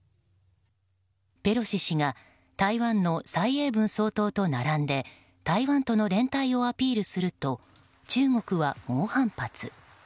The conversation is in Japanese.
ペロシ氏が台湾の蔡英文総統と並んで台湾との連帯をアピールすると中国は猛反発。